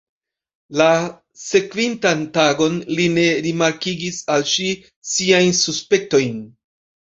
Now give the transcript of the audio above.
La sekvintan tagon li ne rimarkigis al ŝi siajn suspektojn.